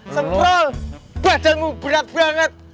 semprol badanmu berat banget